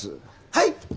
はい！